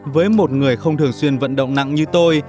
với một người không thường xuyên vận động nặng như tôi